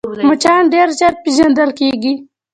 مچان ډېر ژر پېژندل کېږي